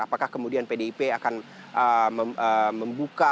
apakah kemudian pdip akan membuka